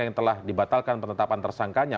yang telah dibatalkan penetapan tersangkanya